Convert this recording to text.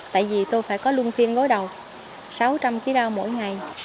tại vì tôi phải có luôn phiên gối đầu sáu trăm linh trí rau mỗi ngày